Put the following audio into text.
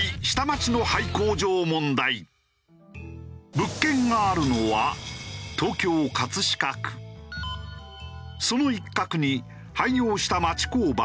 物件があるのはその一角に廃業した町工場が。